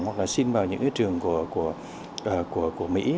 hoặc là xin vào những cái trường của mỹ